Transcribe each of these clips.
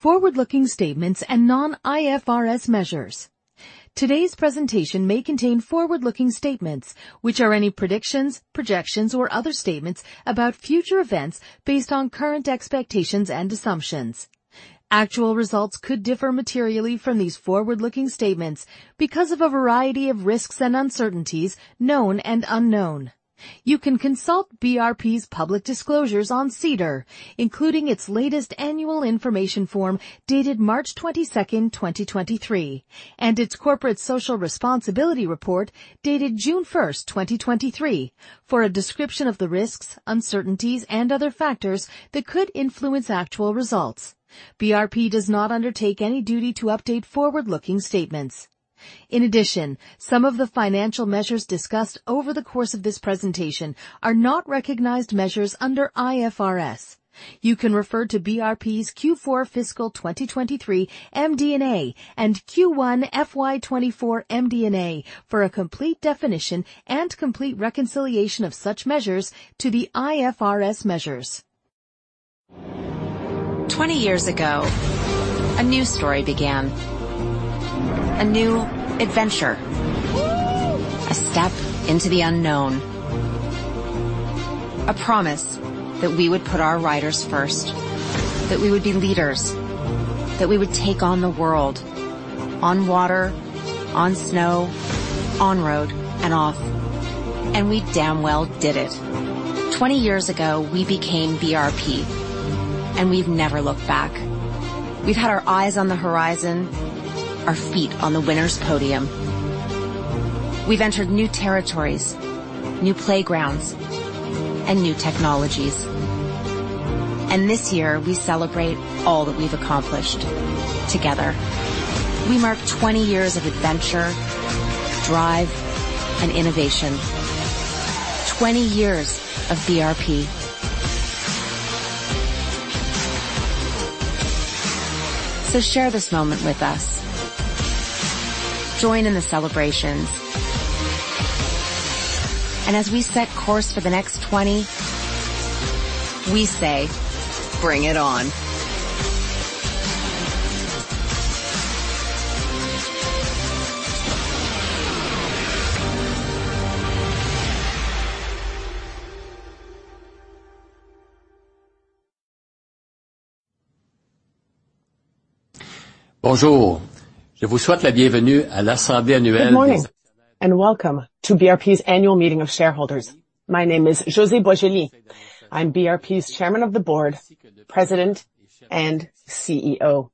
Forward-looking statements and non-IFRS measures. Today's presentation may contain forward-looking statements, which are any predictions, projections, or other statements about future events based on current expectations and assumptions. Actual results could differ materially from these forward-looking statements because of a variety of risks and uncertainties, known and unknown. You can consult BRP's public disclosures on SEDAR, including its latest annual information form dated March 22, 2023, and its corporate social responsibility report, dated June 1, 2023, for a description of the risks, uncertainties, and other factors that could influence actual results. BRP does not undertake any duty to update forward-looking statements. Some of the financial measures discussed over the course of this presentation are not recognized measures under IFRS. You can refer to BRP's Q4 fiscal 2023 MD&A and Q1 FY 2024 MD&A for a complete definition and complete reconciliation of such measures to the IFRS measures. 20 years ago, a new story began. A new adventure. -Whoo! A step into the unknown. A promise that we would put our riders first, that we would be leaders, that we would take on the world, on water, on snow, on road, and off, we damn well did it. 20 years ago, we became BRP, we've never looked back. We've had our eyes on the horizon, our feet on the winner's podium. We've entered new territories, new playgrounds, and new technologies, this year, we celebrate all that we've accomplished together. We mark 20 years of adventure, drive, and innovation. 20 years of BRP. Share this moment with us. Join in the celebration. As we set course for the next 20, we say, "Bring it on! Good morning. Welcome to BRP's Annual Meeting of Shareholders. My name is José Boisjoli. I'm BRP's Chairman of the Board, President, and CEO.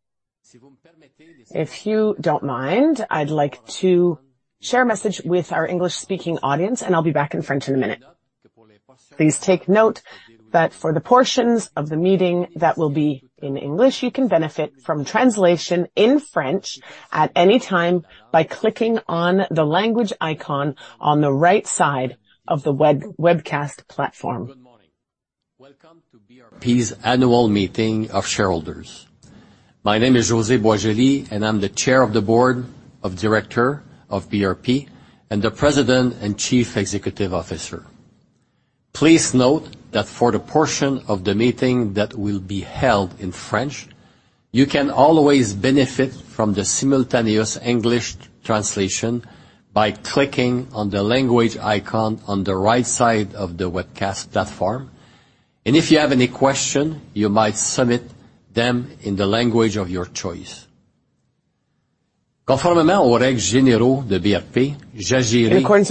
If you don't mind, I'd like to share a message with our English-speaking audience, and I'll be back in French in a minute. Please take note that for the portions of the meeting that will be in English, you can benefit from translation in French at any time by clicking on the language icon on the right side of the webcast platform. Good morning. Welcome to BRP's Annual Meeting of Shareholders. My name is José Boisjoli, and I'm the Chair of the Board of Director of BRP and the President and Chief Executive Officer. Please note that for the portion of the meeting that will be held in French, you can always benefit from the simultaneous English translation by clicking on the language icon on the right side of the webcast platform. If you have any question, you might submit them in the language of your choice. In accordance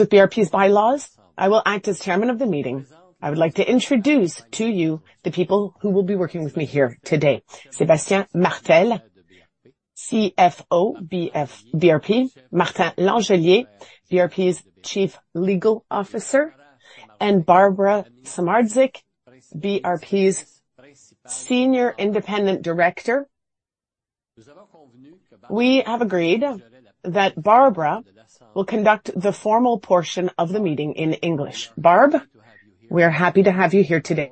with BRP's bylaws, I will act as chairman of the meeting. I would like to introduce to you the people who will be working with me here today. Sébastien Martel, CFO, BRP. Martin Langelier, BRP's Chief Legal Officer, and Barbara Samardzich, BRP's Senior Independent Director. We have agreed that Barbara will conduct the formal portion of the meeting in English. Barb, we are happy to have you here today.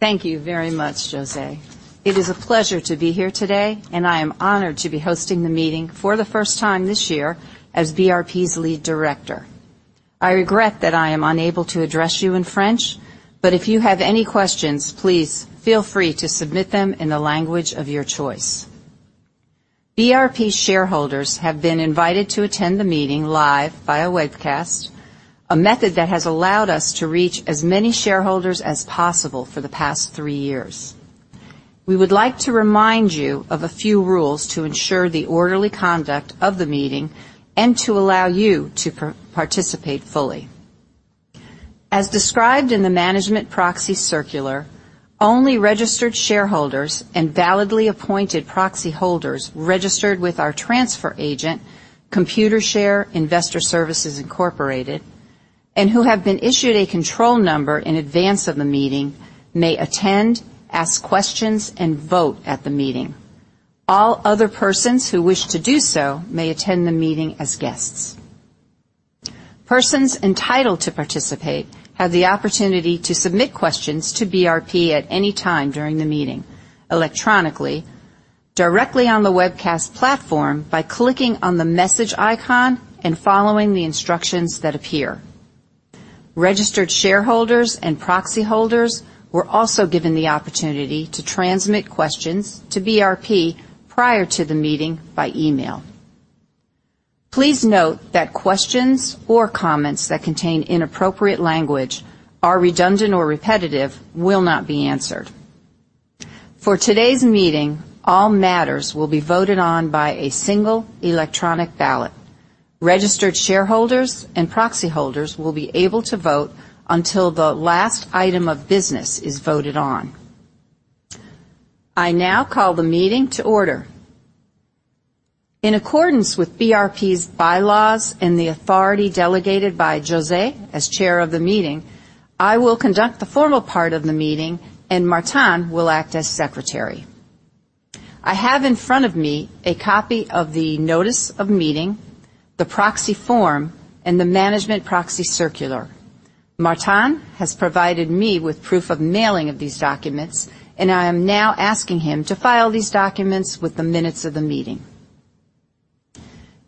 Thank you very much, José. It is a pleasure to be here today, and I am honored to be hosting the meeting for the first time this year as BRP's lead director. I regret that I am unable to address you in French, but if you have any questions, please feel free to submit them in the language of your choice. BRP shareholders have been invited to attend the meeting live via webcast, a method that has allowed us to reach as many shareholders as possible for the past three years. We would like to remind you of a few rules to ensure the orderly conduct of the meeting and to allow you to participate fully. As described in the management proxy circular, only registered shareholders and validly appointed proxy holders registered with our transfer agent, Computershare Investor Services Incorporated, and who have been issued a control number in advance of the meeting, may attend, ask questions, and vote at the meeting. All other persons who wish to do so may attend the meeting as guests. Persons entitled to participate have the opportunity to submit questions to BRP at any time during the meeting electronically, directly on the webcast platform by clicking on the message icon and following the instructions that appear. Registered shareholders and proxy holders were also given the opportunity to transmit questions to BRP prior to the meeting by email. Please note that questions or comments that contain inappropriate language, are redundant or repetitive, will not be answered. For today's meeting, all matters will be voted on by a single electronic ballot. Registered shareholders and proxy holders will be able to vote until the last item of business is voted on. I now call the meeting to order. In accordance with BRP's bylaws and the authority delegated by Jose as chair of the meeting, I will conduct the formal part of the meeting, and Martin will act as secretary. I have in front of me a copy of the notice of meeting, the proxy form, and the management proxy circular. Martin has provided me with proof of mailing of these documents, and I am now asking him to file these documents with the minutes of the meeting.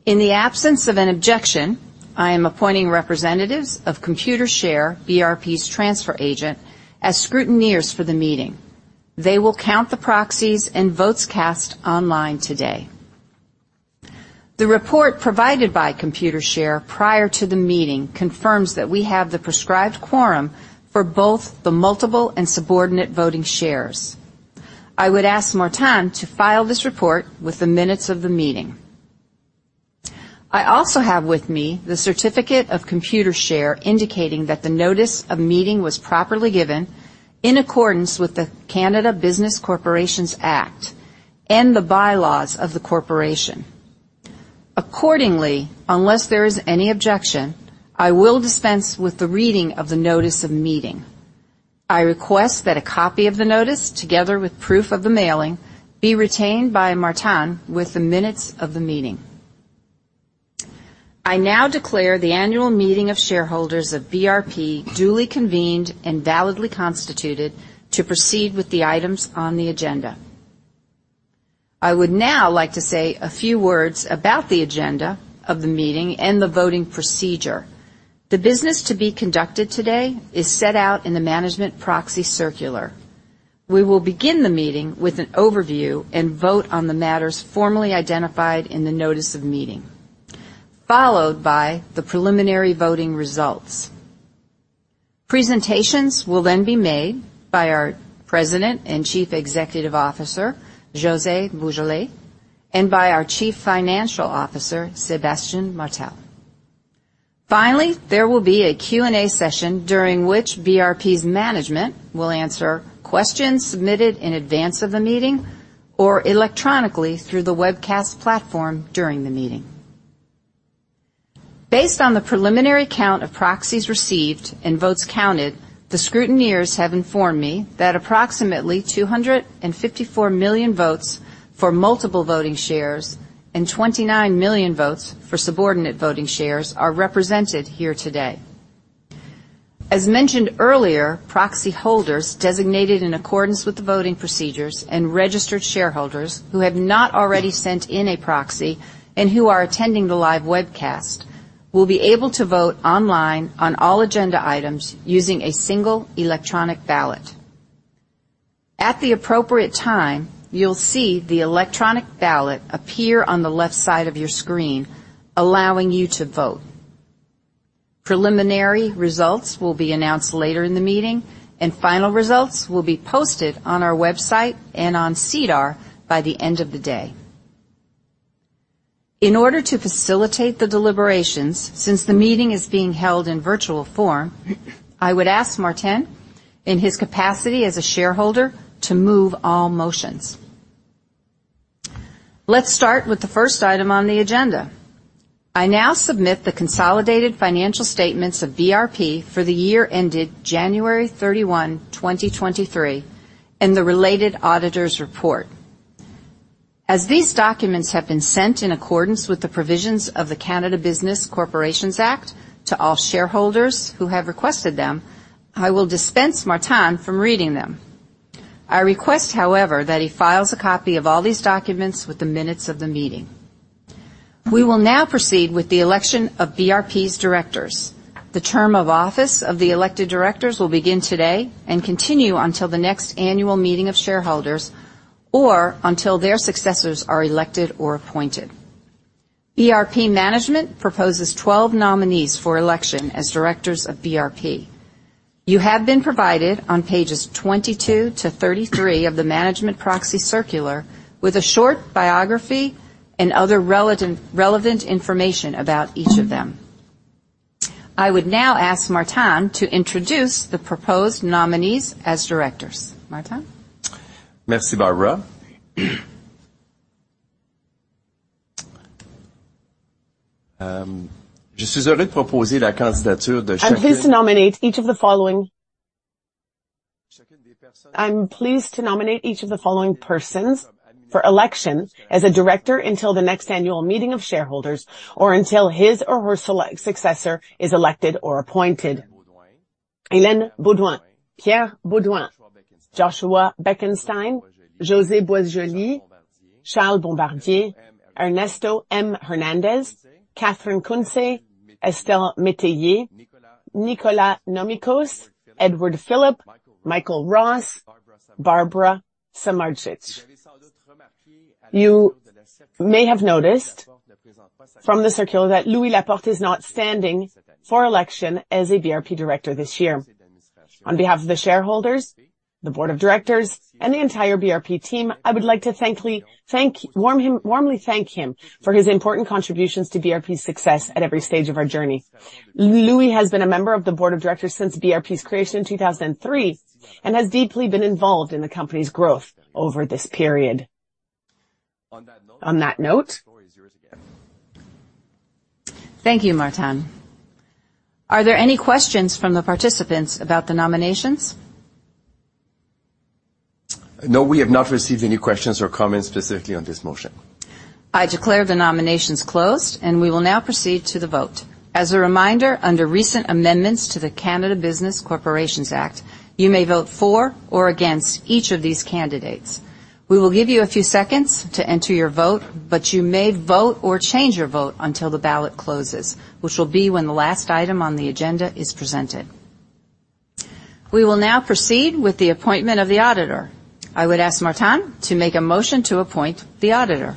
In the absence of an objection, I am appointing representatives of Computershare, BRP's transfer agent, as scrutineers for the meeting. They will count the proxies and votes cast online today. The report provided by Computershare prior to the meeting confirms that we have the prescribed quorum for both the multiple and subordinate voting shares. I would ask Martin to file this report with the minutes of the meeting. I also have with me the certificate of Computershare, indicating that the notice of meeting was properly given in accordance with the Canada Business Corporations Act and the bylaws of the corporation. Unless there is any objection, I will dispense with the reading of the notice of meeting. I request that a copy of the notice, together with proof of the mailing, be retained by Martin with the minutes of the meeting. I now declare the annual meeting of shareholders of BRP duly convened and validly constituted to proceed with the items on the agenda. I would now like to say a few words about the agenda of the meeting and the voting procedure. The business to be conducted today is set out in the management proxy circular. We will begin the meeting with an overview and vote on the matters formally identified in the notice of meeting, followed by the preliminary voting results. Presentations will then be made by our President and Chief Executive Officer, José Boisjoli, and by our Chief Financial Officer, Sébastien Martel. Finally, there will be a Q&A session, during which BRP's management will answer questions submitted in advance of the meeting or electronically through the webcast platform during the meeting. Based on the preliminary count of proxies received and votes counted, the scrutineers have informed me that approximately 254 million votes for multiple voting shares and 29 million votes for subordinate voting shares are represented here today. As mentioned earlier, proxy holders designated in accordance with the voting procedures and registered shareholders who have not already sent in a proxy and who are attending the live webcast, will be able to vote online on all agenda items using a single electronic ballot. At the appropriate time, you'll see the electronic ballot appear on the left side of your screen, allowing you to vote. Preliminary results will be announced later in the meeting, and final results will be posted on our website and on SEDAR by the end of the day. In order to facilitate the deliberations, since the meeting is being held in virtual form, I would ask Martin, in his capacity as a shareholder, to move all motions. Let's start with the first item on the agenda. I now submit the consolidated financial statements of BRP for the year ended January 31, 2023, and the related auditor's report. As these documents have been sent in accordance with the provisions of the Canada Business Corporations Act to all shareholders who have requested them, I will dispense Martin from reading them. I request, however, that he files a copy of all these documents with the minutes of the meeting. We will now proceed with the election of BRP's directors. The term of office of the elected directors will begin today and continue until the next annual meeting of shareholders or until their successors are elected or appointed. BRP management proposes 12 nominees for election as directors of BRP. You have been provided on pages 22 to 33 of the management proxy circular with a short biography and other relevant information about each of them. I would now ask Martin to introduce the proposed nominees as directors. Martin? Merci, Barbara. I'm pleased to nominate each of the following persons for election as a director until the next annual meeting of shareholders, or until his or her select successor is elected or appointed.... Élaine Beaudoin, Pierre Beaudoin, Joshua Bekenstein, José Boisjoli, Charles Bombardier, Ernesto M. Hernández, Katherine Kountze, Estelle Métayer, Nicholas Nomicos, Edward Philip, Michael Ross, Barbara Samardzich. You may have noticed from the circular that Louis Laporte is not standing for election as a BRP director this year. On behalf of the shareholders, the board of directors, and the entire BRP team, I would like to warmly thank him for his important contributions to BRP's success at every stage of our journey. Louis has been a member of the board of directors since BRP's creation in 2003, and has deeply been involved in the company's growth over this period. On that note- Thank you, Martin. Are there any questions from the participants about the nominations? No, we have not received any questions or comments specifically on this motion. I declare the nominations closed, and we will now proceed to the vote. As a reminder, under recent amendments to the Canada Business Corporations Act, you may vote for or against each of these candidates. We will give you a few seconds to enter your vote, but you may vote or change your vote until the ballot closes, which will be when the last item on the agenda is presented. We will now proceed with the appointment of the auditor. I would ask Martin to make a motion to appoint the auditor.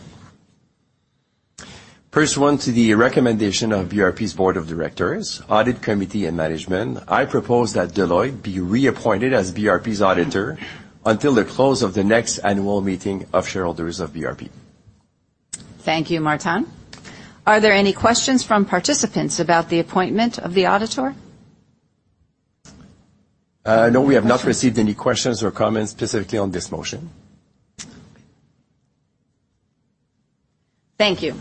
Pursuant to the recommendation of BRP's Board of Directors, Audit Committee, and management, I propose that Deloitte be reappointed as BRP's auditor until the close of the next annual meeting of shareholders of BRP. Thank you, Martin. Are there any questions from participants about the appointment of the auditor? No, we have not received any questions or comments specifically on this motion. Thank you.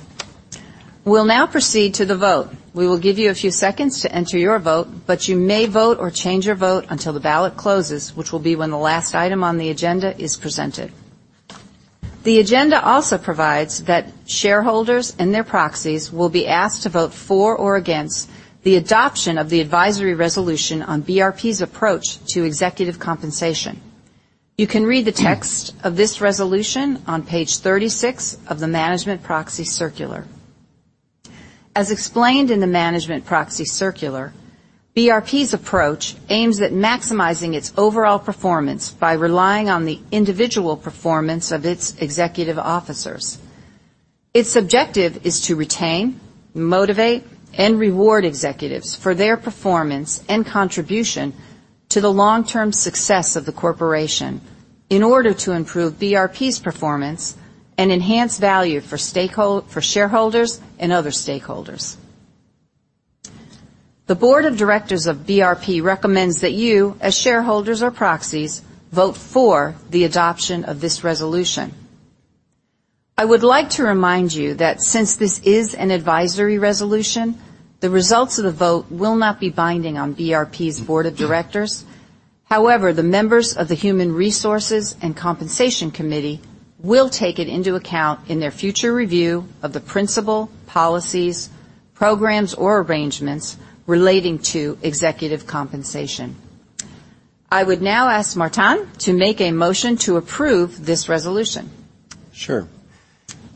We'll now proceed to the vote. We will give you a few seconds to enter your vote, but you may vote or change your vote until the ballot closes, which will be when the last item on the agenda is presented. The agenda also provides that shareholders and their proxies will be asked to vote for or against the adoption of the advisory resolution on BRP's approach to executive compensation. You can read the text of this resolution on page 36 of the Management Proxy Circular. As explained in the Management Proxy Circular, BRP's approach aims at maximizing its overall performance by relying on the individual performance of its executive officers. Its objective is to retain, motivate, and reward executives for their performance and contribution to the long-term success of the corporation in order to improve BRP's performance and enhance value for shareholders and other stakeholders. The board of directors of BRP recommends that you, as shareholders or proxies, vote for the adoption of this resolution. I would like to remind you that since this is an advisory resolution, the results of the vote will not be binding on BRP's board of directors. However, the members of the Human Resources and Compensation Committee will take it into account in their future review of the principal policies, programs, or arrangements relating to executive compensation. I would now ask Martin to make a motion to approve this resolution. Sure.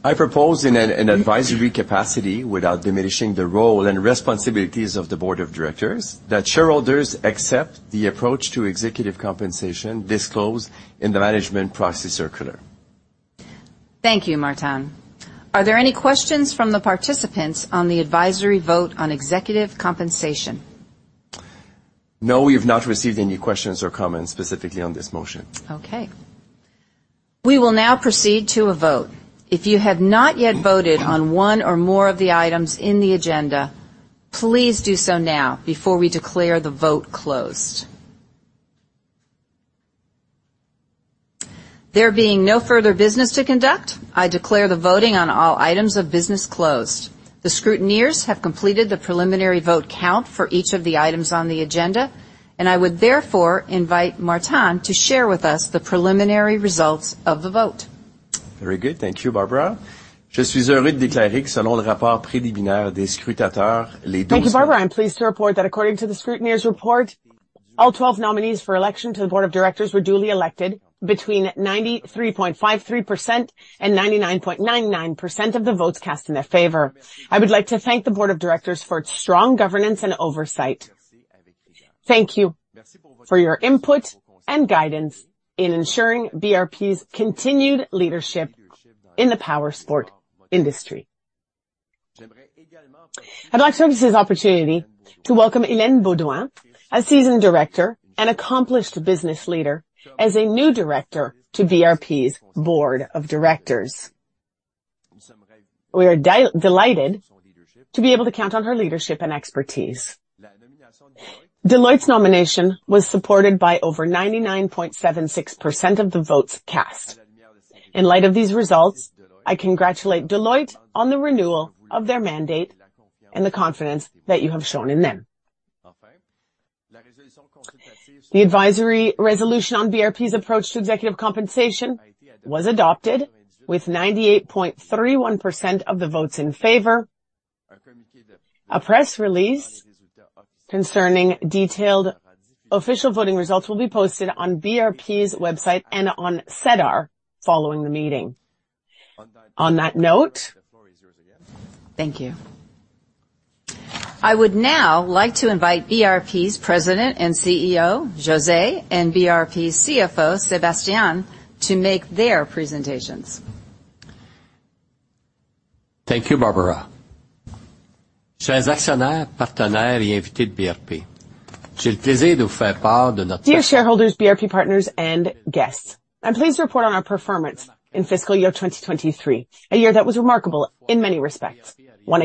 I propose in an advisory capacity, without diminishing the role and responsibilities of the board of directors, that shareholders accept the approach to executive compensation disclosed in the Management Proxy Circular. Thank you, Martin. Are there any questions from the participants on the advisory vote on executive compensation? No, we have not received any questions or comments specifically on this motion. Okay. We will now proceed to a vote. If you have not yet voted on one or more of the items in the agenda, please do so now before we declare the vote closed. There being no further business to conduct, I declare the voting on all items of business closed. The scrutineers have completed the preliminary vote count for each of the items on the agenda. I would therefore invite Martin to share with us the preliminary results of the vote. Very good. Thank you, Barbara. Thank you, Barbara. I'm pleased to report that according to the scrutineers' report, all 12 nominees for election to the board of directors were duly elected between 93.53% and 99.99% of the votes cast in their favor. I would like to thank the board of directors for its strong governance and oversight. Thank you for your input and guidance in ensuring BRP's continued leadership in the powersport industry. I'd like to take this opportunity to welcome Élaine Beaudoin, a seasoned director and accomplished business leader, as a new director to BRP's Board of Directors. We are delighted to be able to count on her leadership and expertise. Deloitte's nomination was supported by over 99.76% of the votes cast. In light of these results, I congratulate Deloitte on the renewal of their mandate and the confidence that you have shown in them. The advisory resolution on BRP's approach to executive compensation was adopted with 98.31% of the votes in favor. ...A press release concerning detailed official voting results will be posted on BRP's website and on SEDAR following the meeting. On that note, thank you. I would now like to invite BRP's President and CEO, José, and BRP's CFO, Sébastien, to make their presentations. Thank you, Barbara. Dear shareholders, BRP partners, and guests, I'm pleased to report on our performance in fiscal year 2023, a year that was remarkable in many respects. Once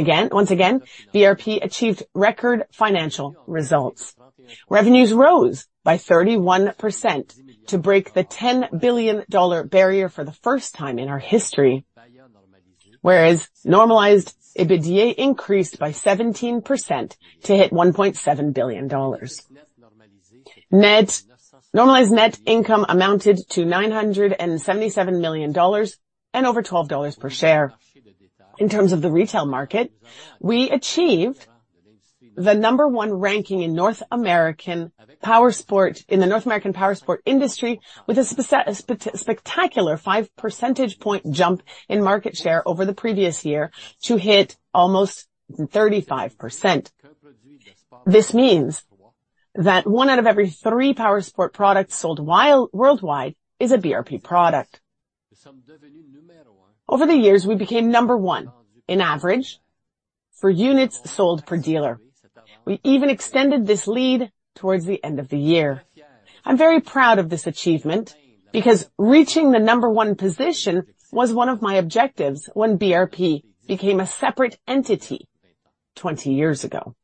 again, BRP achieved record financial results. Revenues rose by 31% to break the $10 billion barrier for the first time in our history, whereas normalized EBITDA increased by 17% to hit $1.7 billion. Normalized net income amounted to $977 million and over $12 per share. In terms of the retail market, we achieved the number 1 ranking in the North American powersports industry, with a spectacular 5 percentage point jump in market share over the previous year to hit almost 35%. This means that one out of every three powersports products sold worldwide is a BRP product. Over the years, we became number one in average for units sold per dealer. We even extended this lead towards the end of the year. I'm very proud of this achievement, because reaching the number one position was one of my objectives when BRP became a separate entity 20 years ago.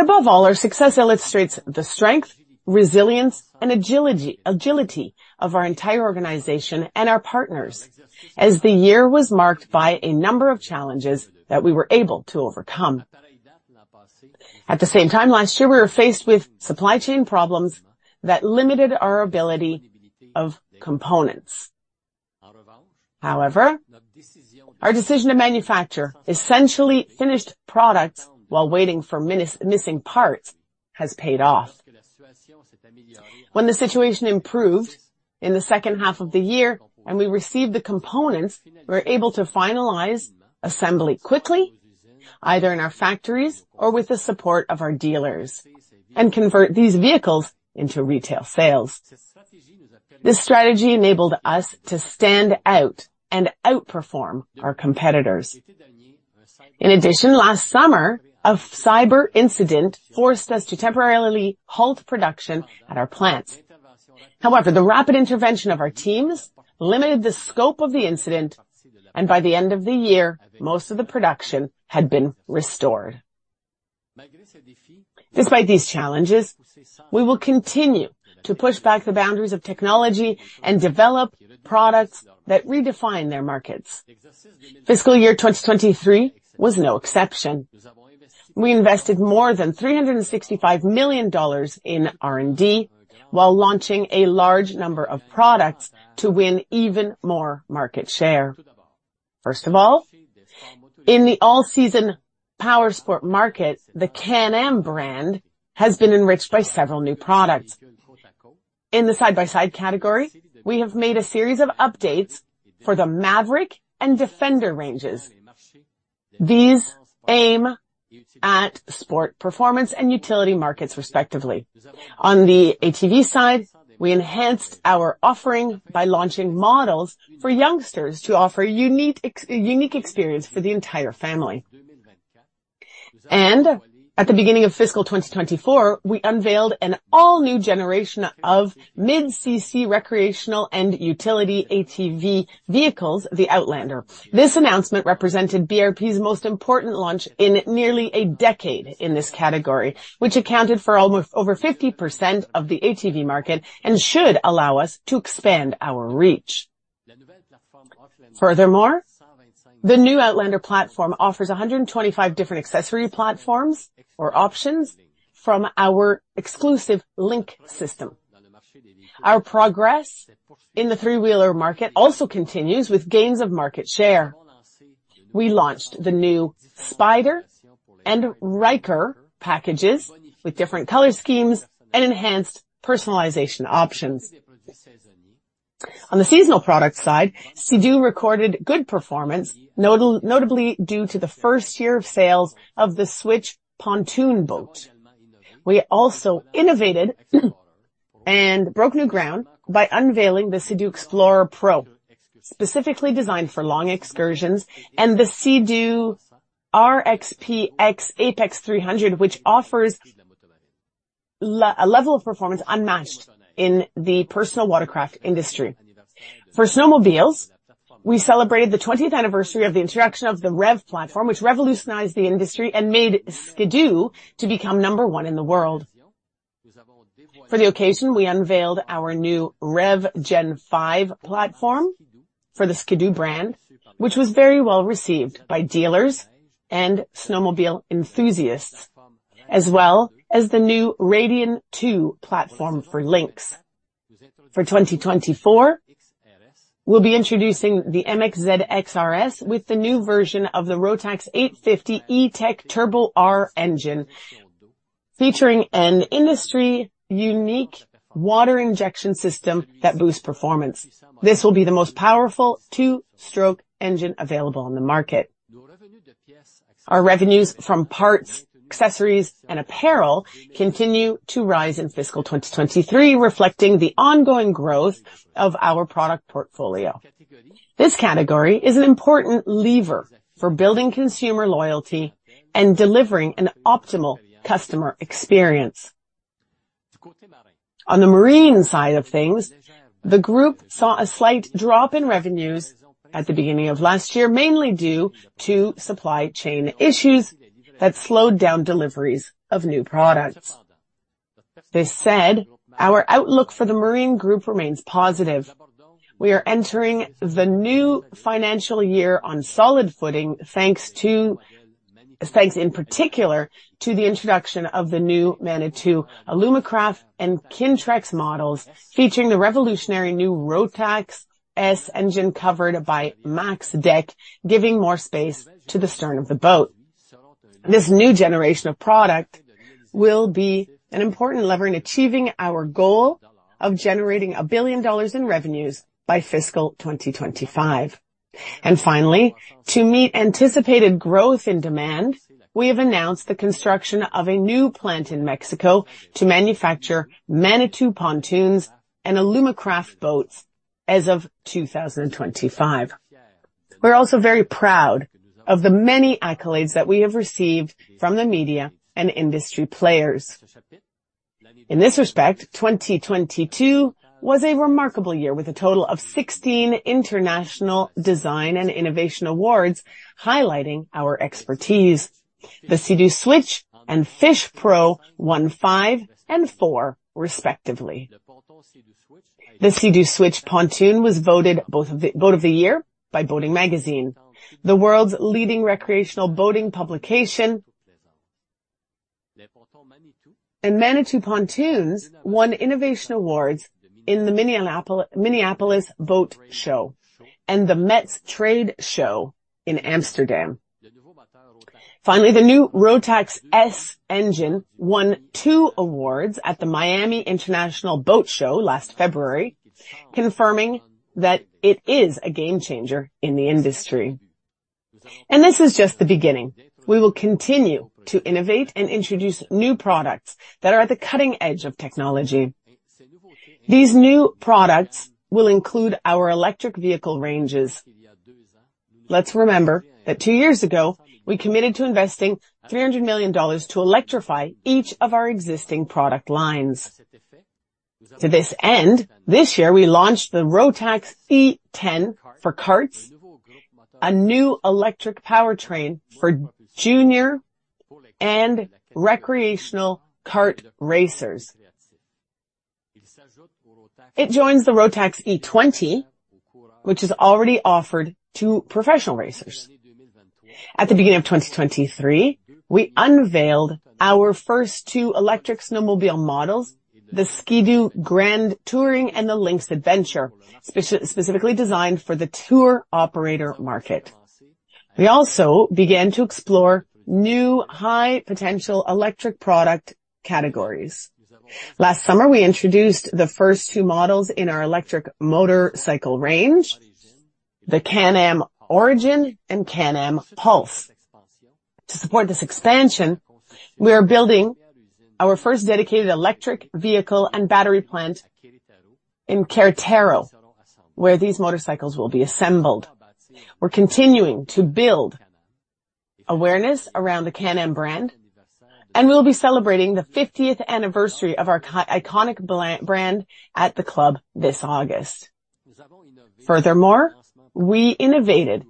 Above all, our success illustrates the strength, resilience, and agility of our entire organization and our partners, as the year was marked by a number of challenges that we were able to overcome. At the same time, last year, we were faced with supply chain problems that limited our ability of components. However, our decision to manufacture essentially finished products while waiting for missing parts has paid off. When the situation improved in the second half of the year and we received the components, we were able to finalize assembly quickly, either in our factories or with the support of our dealers, and convert these vehicles into retail sales. This strategy enabled us to stand out and outperform our competitors. In addition, last summer, a cyber incident forced us to temporarily halt production at our plants. However, the rapid intervention of our teams limited the scope of the incident, and by the end of the year, most of the production had been restored. Despite these challenges, we will continue to push back the boundaries of technology and develop products that redefine their markets. Fiscal year 2023 was no exception. We invested more than $365 million in R&D, while launching a large number of products to win even more market share. First of all, in the all-season power sport market, the Can-Am brand has been enriched by several new products. In the side-by-side category, we have made a series of updates for the Maverick and Defender ranges. These aim at sport performance and utility markets, respectively. On the ATV side, we enhanced our offering by launching models for youngsters to offer a unique experience for the entire family. At the beginning of fiscal 2024, we unveiled an all-new generation of mid-cc recreational and utility ATV vehicles, the Outlander. This announcement represented BRP's most important launch in nearly a decade in this category, which accounted for almost over 50% of the ATV market and should allow us to expand our reach. Furthermore, the new Outlander platform offers 125 different accessory platforms or options from our exclusive LinQ system. Our progress in the three-wheeler market also continues with gains of market share. We launched the new Spyder and Ryker packages with different color schemes and enhanced personalization options. On the seasonal product side, Sea-Doo recorded good performance, notably due to the first year of sales of the Switch pontoon boat. We also innovated and broke new ground by unveiling the Sea-Doo Explorer Pro, specifically designed for long excursions, and the Sea-Doo RXP-X Apex 300, which offers a level of performance unmatched in the personal watercraft industry. For snowmobiles, we celebrated the 20th anniversary of the introduction of the REV platform, which revolutionized the industry and made Ski-Doo to become number one in the world. For the occasion, we unveiled our new REV Gen5 platform for the Ski-Doo brand, which was very well-received by dealers and snowmobile enthusiasts, as well as the new Radien 2 platform for Lynx. For 2024, we'll be introducing the MXZ X-RS with the new version of the Rotax 850 E-TEC Turbo R engine, featuring an industry-unique water injection system that boosts performance. This will be the most powerful two-stroke engine available on the market. Our revenues from parts, accessories, and apparel continue to rise in fiscal 2023, reflecting the ongoing growth of our product portfolio. This category is an important lever for building consumer loyalty and delivering an optimal customer experience. On the marine side of things, the group saw a slight drop in revenues at the beginning of last year, mainly due to supply chain issues that slowed down deliveries of new products. This said, our outlook for the marine group remains positive. We are entering the new financial year on solid footing, thanks in particular to the introduction of the new Manitou, Alumacraft, and Quintrex models, featuring the revolutionary new Rotax S engine covered by MAX Deck, giving more space to the stern of the boat. This new generation of product will be an important lever in achieving our goal of generating $1 billion in revenues by fiscal 2025. Finally, to meet anticipated growth in demand, we have announced the construction of a new plant in Mexico to manufacture Manitou pontoons and Alumacraft boats as of 2025. We're also very proud of the many accolades that we have received from the media and industry players. In this respect, 2022 was a remarkable year, with a total of 16 international design and innovation awards highlighting our expertise. The Sea-Doo Switch and Sea-Doo FishPro won 5 and 4 respectively. The Sea-Doo Switch pontoon was voted boat of the year by Boating Magazine, the world's leading recreational boating publication. Manitou Pontoons won innovation awards in the Minneapolis Boat Show and the METSTRADE Show in Amsterdam. Finally, the new Rotax S engine won 2 awards at the Miami International Boat Show last February, confirming that it is a game changer in the industry. This is just the beginning. We will continue to innovate and introduce new products that are at the cutting edge of technology. These new products will include our electric vehicle ranges. Let's remember that two years ago, we committed to investing $300 million to electrify each of our existing product lines. To this end, this year, we launched the Rotax E10 for karts, a new electric powertrain for junior and recreational kart racers. It joins the Rotax E20, which is already offered to professional racers. At the beginning of 2023, we unveiled our first 2 electric snowmobile models, the Ski-Doo Grand Touring and the Lynx Adventure, specifically designed for the tour operator market. We also began to explore new, high-potential electric product categories. Last summer, we introduced the first 2 models in our electric motorcycle range, the Can-Am Origin and Can-Am Pulse. To support this expansion, we are building our first dedicated electric vehicle and battery plant in Querétaro, where these motorcycles will be assembled. We're continuing to build awareness around the Can-Am brand. We'll be celebrating the 50th anniversary of our iconic brand at the club this August. Furthermore, we innovated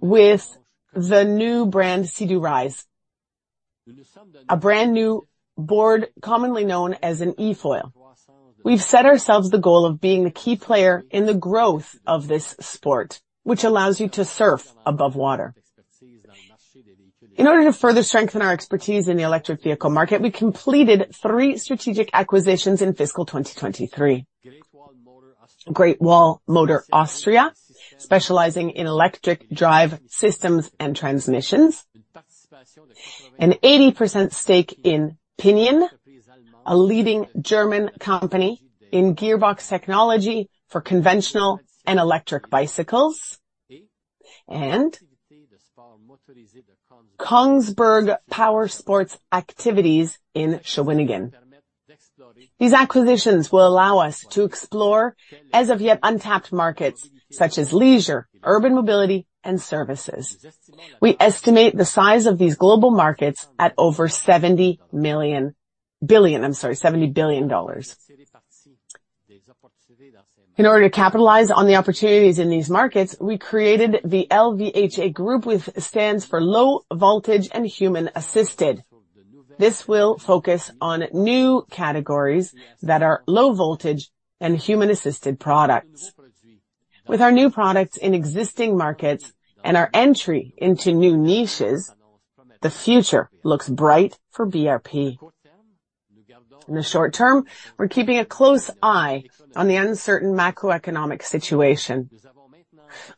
with the new brand, Sea-Doo Rise, a brand-new board, commonly known as an eFoil. We've set ourselves the goal of being the key player in the growth of this sport, which allows you to surf above water. In order to further strengthen our expertise in the electric vehicle market, we completed 3 strategic acquisitions in fiscal 2023. Great Wall Motor Austria, specializing in electric drive systems and transmissions, an 80% stake in Pinion, a leading German company in gearbox technology for conventional and electric bicycles, and Kongsberg powersports activities in Shawinigan. These acquisitions will allow us to explore as of yet untapped markets such as leisure, urban mobility, and services. We estimate the size of these global markets at over Billion, I'm sorry, $70 billion. In order to capitalize on the opportunities in these markets, we created the LVHA group, which stands for Low Voltage and Human Assisted. This will focus on new categories that are low voltage and human-assisted products. With our new products in existing markets and our entry into new niches, the future looks bright for BRP. In the short term, we're keeping a close eye on the uncertain macroeconomic situation.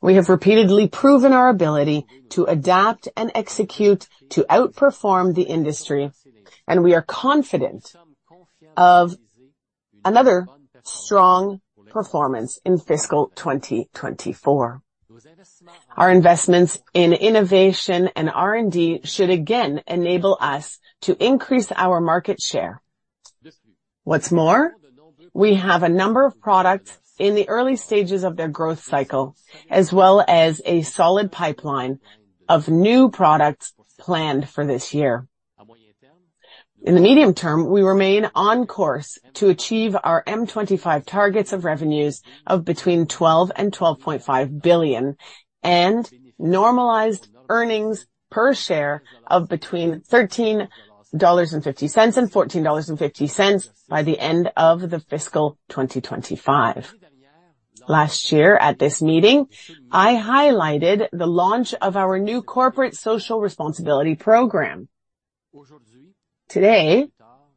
We have repeatedly proven our ability to adapt and execute, to outperform the industry, and we are confident of another strong performance in fiscal 2024. Our investments in innovation and R&D should again enable us to increase our market share. What's more, we have a number of products in the early stages of their growth cycle, as well as a solid pipeline of new products planned for this year. In the medium term, we remain on course to achieve our M25 targets of revenues of between $12 billion and $12.5 billion, and normalized earnings per share of between $13.50 and $14.50 by the end of the fiscal 2025. Last year at this meeting, I highlighted the launch of our new Corporate Social Responsibility program. Today,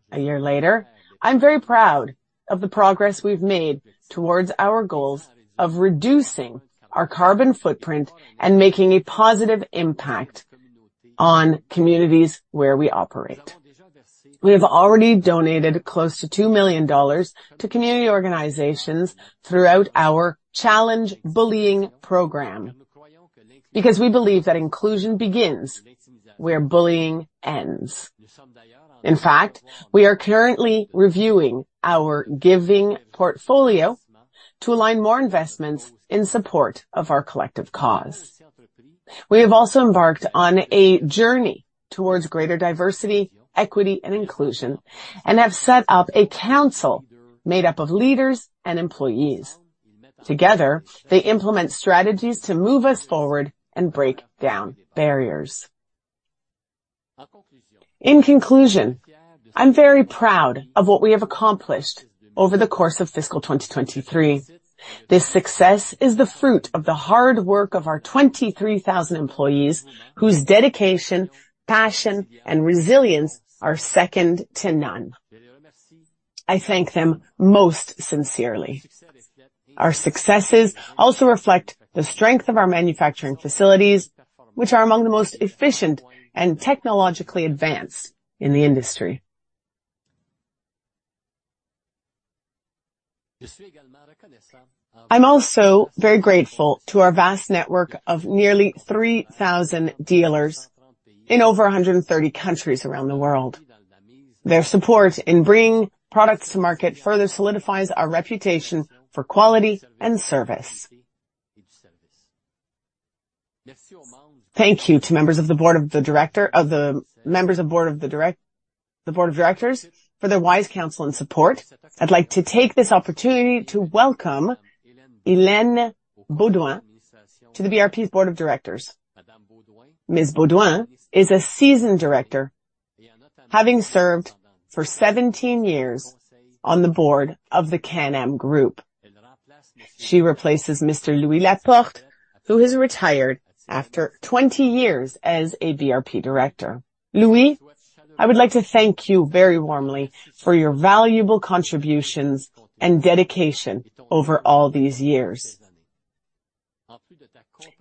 a year later, I'm very proud of the progress we've made towards our goals of reducing our carbon footprint and making a positive impact on communities where we operate. We have already donated close to $2 million to community organizations throughout our Challenge Bullying program, because we believe that inclusion begins where bullying ends. In fact, we are currently reviewing our giving portfolio to align more investments in support of our collective cause. We have also embarked on a journey towards greater diversity, equity, and inclusion, and have set up a council made up of leaders and employees. Together, they implement strategies to move us forward and break down barriers. In conclusion, I'm very proud of what we have accomplished over the course of fiscal 2023. This success is the fruit of the hard work of our 23,000 employees, whose dedication, passion, and resilience are second to none. I thank them most sincerely. Our successes also reflect the strength of our manufacturing facilities, which are among the most efficient and technologically advanced in the industry. I'm also very grateful to our vast network of nearly 3,000 dealers in over 130 countries around the world. Their support in bringing products to market further solidifies our reputation for quality and service. Thank you to members of the board of directors for their wise counsel and support. I'd like to take this opportunity to welcome Élaine Beaudoin to the BRP's board of directors. Ms. Beaudoin is a seasoned director, having served for 17 years on the board of the Can-Am Group. She replaces Mr. Louis Laporte, who has retired after 20 years as a BRP director. Louis, I would like to thank you very warmly for your valuable contributions and dedication over all these years.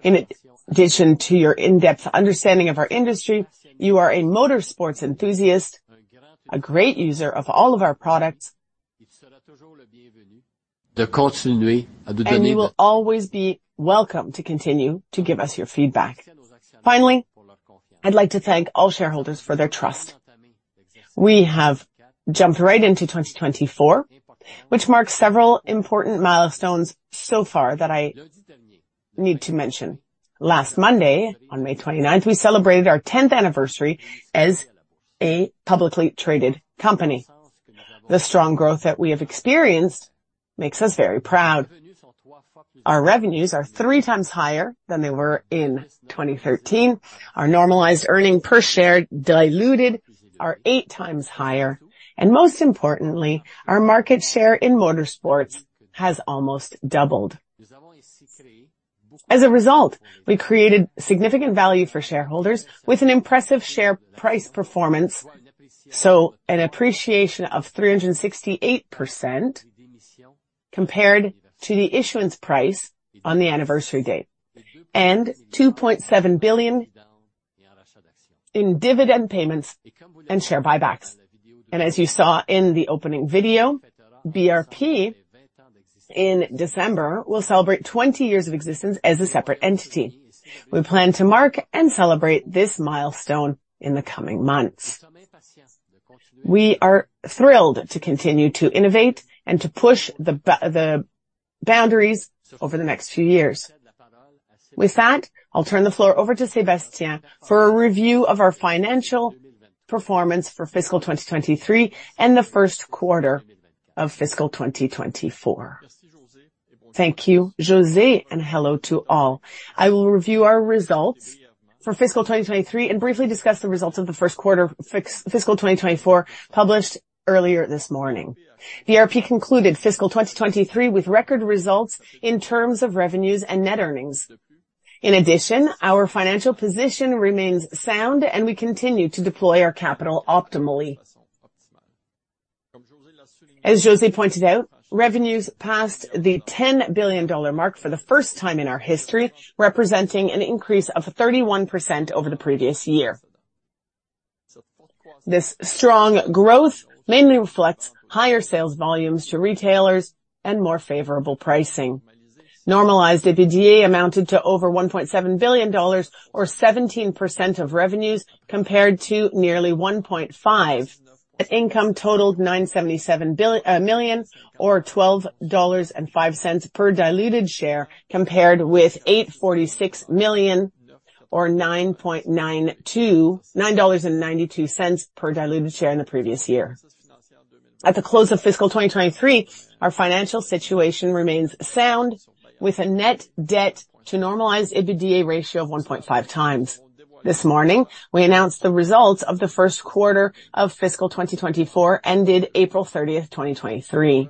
In addition to your in-depth understanding of our industry, you are a motorsports enthusiast, a great user of all of our products, you will always be welcome to continue to give us your feedback. Finally, I'd like to thank all shareholders for their trust. We have jumped right into 2024, which marks several important milestones so far that I need to mention. Last Monday, on May 29th, we celebrated our 10th anniversary as a publicly traded company. The strong growth that we have experienced makes us very proud. Our revenues are three times higher than they were in 2013. Our normalized earnings per share diluted are 8 times higher, and most importantly, our market share in motorsports has almost doubled. As a result, we created significant value for shareholders with an impressive share price performance, so an appreciation of 368% compared to the issuance price on the anniversary date, and $2.7 billion in dividend payments and share buybacks. As you saw in the opening video, BRP in December, will celebrate 20 years of existence as a separate entity. We plan to mark and celebrate this milestone in the coming months. We are thrilled to continue to innovate and to push the boundaries over the next few years. With that, I'll turn the floor over to Sébastien for a review of our financial performance for fiscal 2023 and the first quarter of fiscal 2024. Thank you, José. Hello to all. I will review our results. For fiscal 2023, and briefly discuss the results of the first quarter fiscal 2024, published earlier this morning. BRP concluded fiscal 2023 with record results in terms of revenues and net earnings. In addition, our financial position remains sound, and we continue to deploy our capital optimally. As José pointed out, revenues passed the $10 billion mark for the first time in our history, representing an increase of 31% over the previous year. This strong growth mainly reflects higher sales volumes to retailers and more favorable pricing. Normalized EBITDA amounted to over $1.7 billion or 17% of revenues, compared to nearly $1.5. Net income totaled $977 million or $12.05 per diluted share, compared with $846 million or $9.92 per diluted share in the previous year. At the close of fiscal 2023, our financial situation remains sound, with a net debt to normalized EBITDA ratio of 1.5 times. This morning, we announced the results of the first quarter of fiscal 2024, ended April 30, 2023.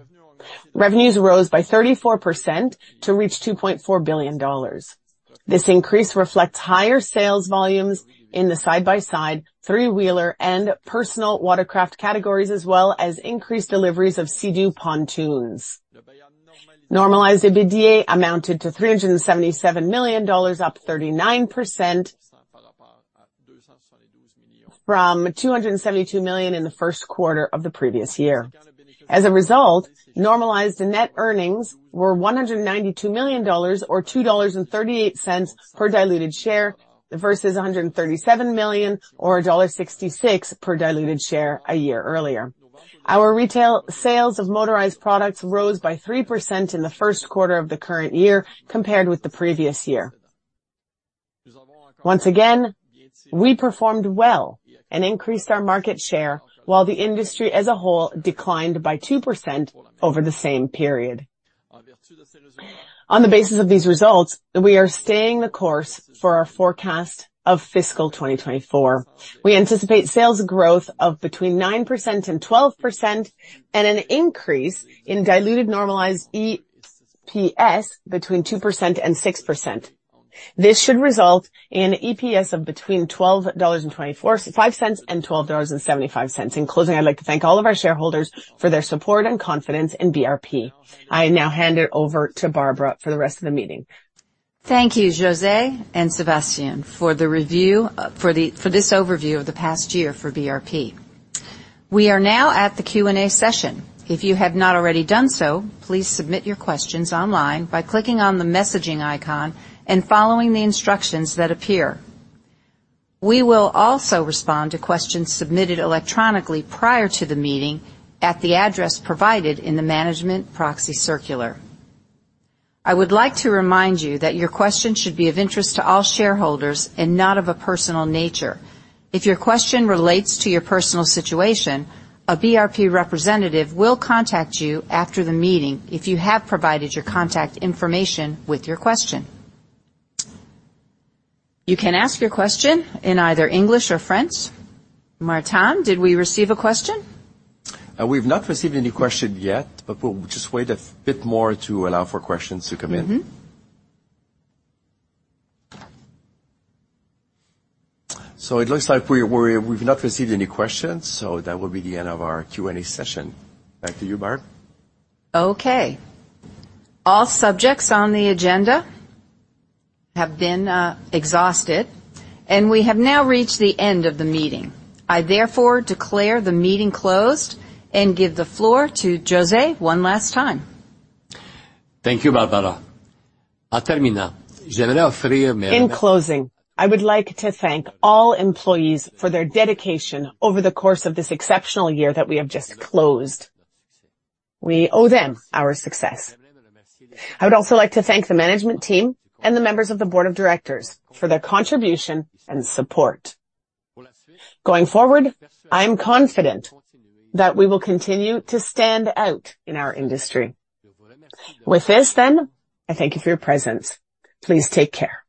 Revenues rose by 34% to reach $2.4 billion. This increase reflects higher sales volumes in the side-by-side, three-wheeler, and personal watercraft categories, as well as increased deliveries of Sea-Doo pontoons. Normalized EBITDA amounted to $377 million, up 39% from $272 million in the first quarter of the previous year. As a result, normalized net earnings were $192 million, or $2.38 per diluted share, versus $137 million or $1.66 per diluted share a year earlier. Our retail sales of motorized products rose by 3% in the first quarter of the current year compared with the previous year. Once again, we performed well and increased our market share, while the industry as a whole declined by 2% over the same period. On the basis of these results, we are staying the course for our forecast of fiscal 2024. We anticipate sales growth of between 9% and 12%, and an increase in diluted normalized EPS between 2% and 6%. This should result in EPS of between $12.05 and $12.75. In closing, I'd like to thank all of our shareholders for their support and confidence in BRP. I now hand it over to Barbara for the rest of the meeting. Thank you, José and Sébastien, for this overview of the past year for BRP. We are now at the Q&A session. If you have not already done so, please submit your questions online by clicking on the messaging icon and following the instructions that appear. We will also respond to questions submitted electronically prior to the meeting at the address provided in the management proxy circular. I would like to remind you that your questions should be of interest to all shareholders and not of a personal nature. If your question relates to your personal situation, a BRP representative will contact you after the meeting if you have provided your contact information with your question. You can ask your question in either English or French. Martin, did we receive a question? We've not received any questions yet, but we'll just wait a bit more to allow for questions to come in. Mm-hmm. It looks like we've not received any questions, so that will be the end of our Q&A session. Back to you, Barb. Okay. All subjects on the agenda have been exhausted, and we have now reached the end of the meeting. I therefore declare the meeting closed and give the floor to José one last time. Thank you, Barbara. In closing, I would like to thank all employees for their dedication over the course of this exceptional year that we have just closed. We owe them our success. I would also like to thank the management team and the members of the board of directors for their contribution and support. Going forward, I am confident that we will continue to stand out in our industry. With this, I thank you for your presence. Please take care.